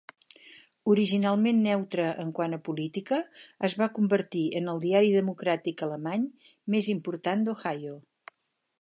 Originalment neutre en quant a política, es va convertir en el diari democràtic alemany més important d'Ohio.